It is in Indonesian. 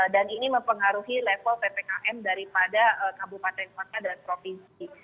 dan ini mempengaruhi level ppkm daripada kabupaten kota dan provinsi